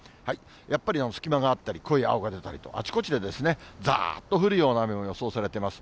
やっぱり隙間があったり、濃い青が出たりと、あちこちでざーっと降るような雨も予想されてます。